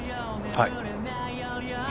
はい。